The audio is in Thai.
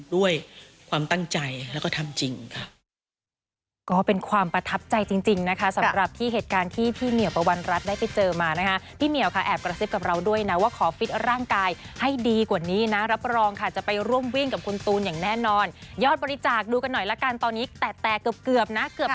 ด้วยความตั้งใจแล้วก็ทำจริงค่ะ